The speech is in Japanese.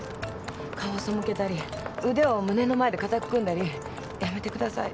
顔を背けたり腕を胸の前で固く組んだり「やめてください。